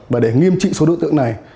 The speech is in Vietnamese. và để nghiêm trị số đối tượng này